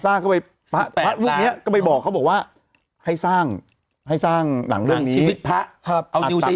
พระศาสตร์เข้าไปบอกว่าให้สร้างหนังเรื่องนี้